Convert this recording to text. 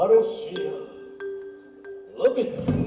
mulia siapa dunia serta istrinya